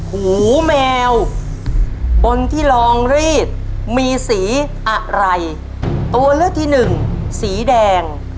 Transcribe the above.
หูแมวบนที่ลองรีดมีสีอะไรตัวเลือกที่หนึ่งสีแดง